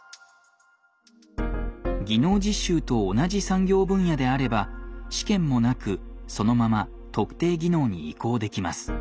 技能実習と同じ産業分野であれば試験もなくそのまま特定技能に移行できます。